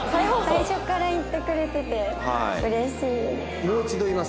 最初から言ってくれててうれしい。